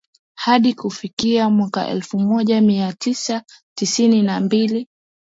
hadi kufikia mwaka elfu moja mia tisa tisini na mbili